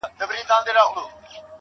• لكه ژړا.